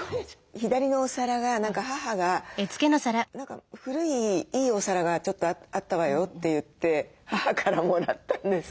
左のお皿が母が「何か古いいいお皿がちょっとあったわよ」といって母からもらったんです。